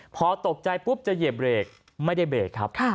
พอตกใจปุ๊บจะเหยียบเบรกไม่ได้เบรกครับ